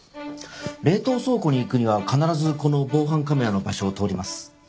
冷凍倉庫に行くには必ずこの防犯カメラの場所を通ります。